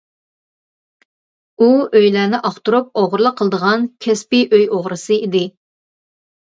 ئۇ ئۆيلەرنى ئاختۇرۇپ ئوغرىلىق قىلىدىغان كەسپىي ئۆي ئوغرىسى ئىدى.